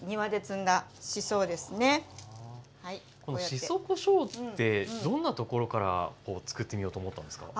しそこしょうってどんなところからこうつくってみようと思ったんですか？